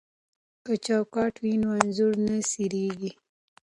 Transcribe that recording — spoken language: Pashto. که چوکاټ وي نو انځور نه څیریږي.